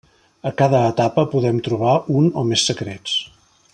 A cada etapa podem trobar un o més secrets.